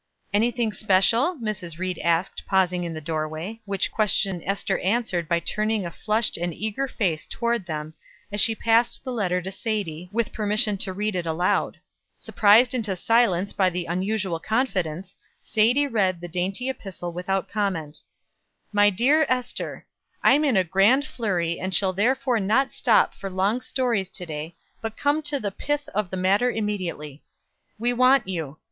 "Anything special?" Mrs. Ried asked, pausing in the doorway, which question Ester answered by turning a flushed and eager face toward them, as she passed the letter to Sadie, with permission to read it aloud. Surprised into silence by the unusual confidence, Sadie read the dainty epistle without comment: "MY DEAR ESTER: "I'm in a grand flurry, and shall therefore not stop for long stories to day, but come at the pith of the matter immediately. We want you.